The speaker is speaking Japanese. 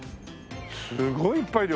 すごいいっぱいいるよ。